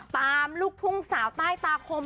ลูกทุ่งสาวใต้ตาคม